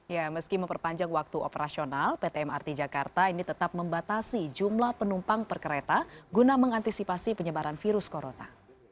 ya meski memperpanjang waktu operasional pt mrt jakarta ini tetap membatasi jumlah penumpang per kereta guna mengantisipasi penyebaran virus corona